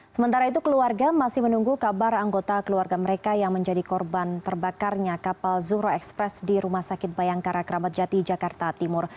sementara itu keluarga masih menunggu kabar anggota keluarga mereka yang menjadi korban terbakarnya kapal zuhro express di rumah sakit bayangkara keramat jati jakarta timur